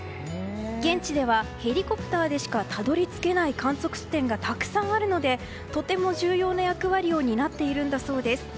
現地ではヘリコプターでしかたどり着けない観測地点がたくさんあるのでとても重要な役割を担っているんだそうです。